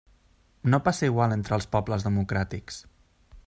No passa igual entre els pobles democràtics.